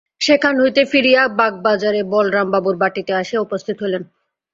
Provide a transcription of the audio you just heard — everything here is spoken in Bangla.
সেখান হইতে ফিরিয়া বাগবাজারে বলরাম বাবুর বাটীতে আসিয়া উপস্থিত হইলেন।